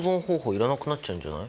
いらなくなっちゃうんじゃない？